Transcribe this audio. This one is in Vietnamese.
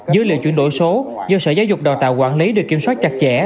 dữ liệu chuyển đổi số do sở giáo dục đào tạo quản lý được kiểm soát chặt chẽ